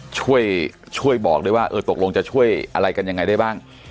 ช่วยช่วยบอกด้วยว่าเออตกลงจะช่วยอะไรกันยังไงได้บ้าง